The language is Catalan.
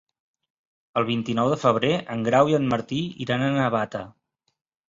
El vint-i-nou de febrer en Grau i en Martí iran a Navata.